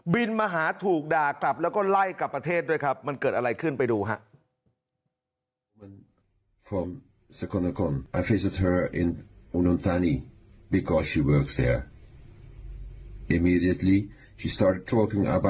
มาหาถูกด่ากลับแล้วก็ไล่กลับประเทศด้วยครับมันเกิดอะไรขึ้นไปดูฮะ